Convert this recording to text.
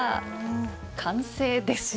完成です！